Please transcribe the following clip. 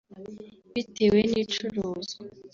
bitewe n’igicuruzwa